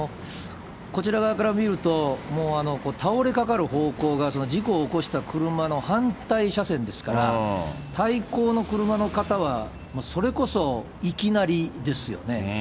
こちら側から見ると、もう倒れかかる方向が、事故を起こした車の反対車線ですから、対向の車の方はそれこそいきなりですよね。